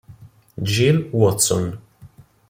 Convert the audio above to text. Jill Watson